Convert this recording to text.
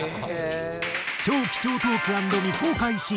超貴重トーク＆未公開シーン。